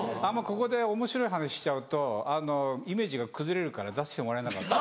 ここでおもしろい話しちゃうとイメージが崩れるから出してもらえなかった。